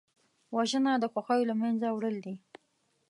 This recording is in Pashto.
وژنه د خوښیو له منځه وړل دي